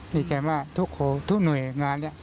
ดีใจมากทุกคนทุกหนุ่ยงาน